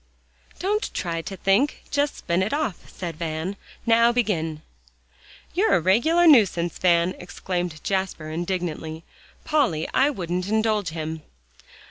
"Don't try to think; just spin it off," said Van. "Now begin." "You're a regular nuisance, Van!" exclaimed Jasper indignantly. "Polly, I wouldn't indulge him."